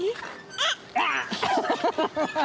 あっ！